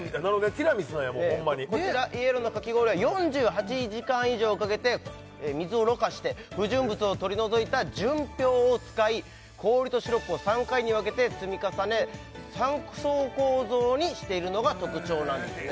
ティラミスなんやもうホンマにこちらｙｅｌｏのかき氷は４８時間以上かけて水をろ過して不純物を取り除いた純氷を使い氷とシロップを３回に分けて積み重ね３層構造にしているのが特徴なんですね